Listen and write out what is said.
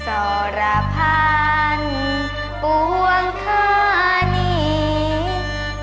สรพันธ์ปวงธานี